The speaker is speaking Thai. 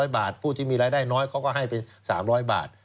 ๐บาทผู้ที่มีรายได้น้อยเขาก็ให้ไป๓๐๐บาท